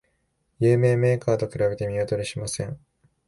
有名メーカーと比べて見劣りしません